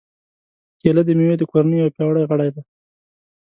کېله د مېوې د کورنۍ یو پیاوړی غړی دی.